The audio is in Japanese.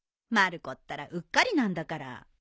まる子ったらうっかりなんだから。